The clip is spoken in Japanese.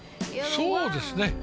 そうですね